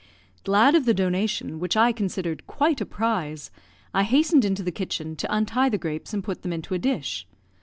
Glad of the donation, which I considered quite a prize, I hastened into the kitchen to untie the grapes and put them into a dish.